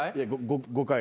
５回。